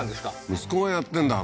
息子がやってんだ